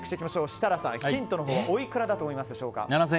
設楽さん、ヒントのほうはおいくらだと思いますか。